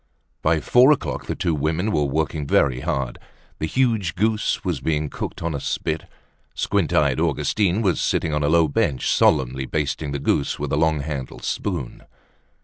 By four o'clock the two women were working very hard. The huge goose was being cooked on a spit. Squint eyed Augustine was sitting on a low bench solemnly basting the goose with a long handled spoon.